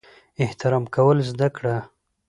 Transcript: احترام کول زده کړه!